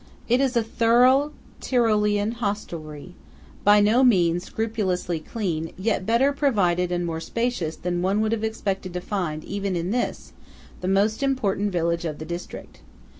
It is a thorough Tyrolean hostelry, by no means scrupulously clean, yet better provided and more spacious than one would have expected to find even in this, the most important village of the district.